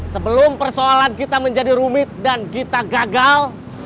sebelum persoalan kita menjadi rumit dan kita gagal